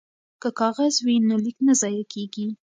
که کاغذ وي نو لیک نه ضایع کیږي.